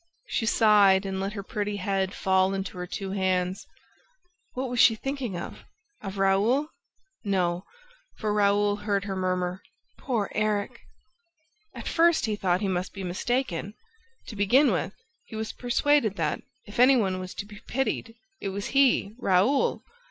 She sighed and let her pretty head fall into her two hands. What was she thinking of? Of Raoul? No, for Raoul heard her murmur: "Poor Erik!" At first, he thought he must be mistaken. To begin with, he was persuaded that, if any one was to be pitied, it was he, Raoul.